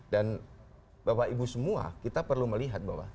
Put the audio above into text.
dan bapak ibu semua kita perlu melihat bapak